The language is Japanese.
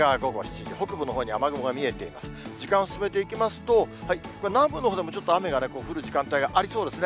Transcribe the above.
時間を進めていきますと、南部のほうでもちょっと雨が降る時間帯がありそうですね。